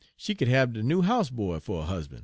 She could hab de noo house boy fer a husban'.